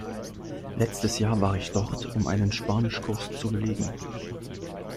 Letztes Jahr war ich dort, um einen Spanischkurs zu belegen.